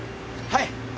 はい。